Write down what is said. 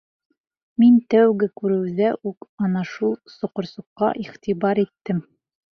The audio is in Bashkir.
Мин тәүге күреүҙә үк ана шул соҡорсоҡҡа иғтибар иттем.